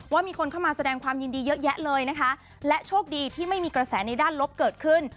ว่ามีคนเข้ามาแสดงความยินดีเยอะแยะเลยนะคะและโชคดีที่ไม่มีกระแสในด้านลบเกิดขึ้น